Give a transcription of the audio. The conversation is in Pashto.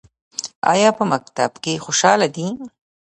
ایا په مکتب کې خوشحاله دي؟